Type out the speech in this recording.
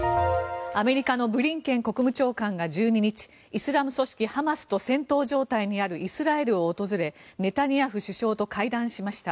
アメリカのブリンケン国務長官が１２日イスラム組織ハマスと戦闘状態にあるイスラエルを訪れネタニヤフ首相と会談しました。